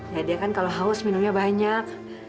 ya dia kan kalau haus minumnya banyak